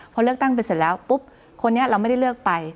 พอเลือกตั้งไปเสร็จแล้วปุ๊บคนนี้เราไม่ได้เลือกไป